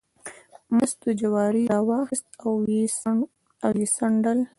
مستو جواری راواخیست او یې څنډل.